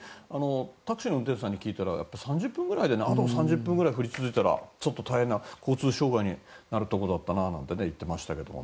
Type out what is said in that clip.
タクシーの運転手さんに聞いたらあと３０分ぐらい続いたらちょっと大変な交通障害になるところだと言っていましたけど。